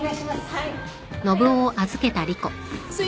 はい。